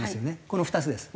この２つです。